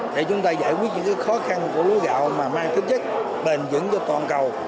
để chúng ta giải quyết những khó khăn của lúa gạo mà mang tính chất bền dững cho toàn cầu